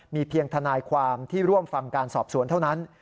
มีเพียงทนายความที่ร่วมฟังการสอบสวนเท่านั้น